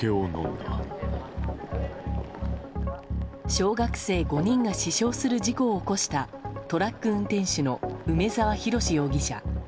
小学生５人が死傷する事故を起こしたトラック運転手の梅沢洋容疑者。